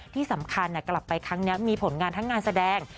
ที่สำคัญกลับไปครั้งนี้มีผลงานทั้งงานแสดง